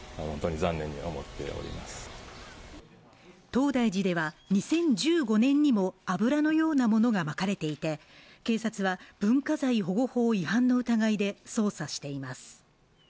東大寺では２０１５年にも油のようなものがまかれていて警察は文化財保護法違反の疑いで捜査しています